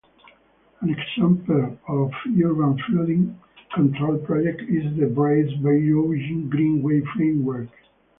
An example of Urban flooding control project is the Brays Bayou Greenway Framework.